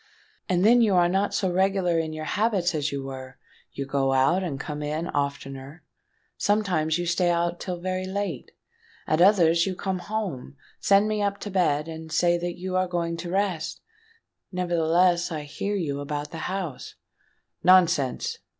"And then you are not so regular in your habits as you were: you go out and come in oftener;—sometimes you stay out till very late; at others you come home, send me up to bed, and say that you yourself are going to rest;—nevertheless, I hear you about the house——" "Nonsense!"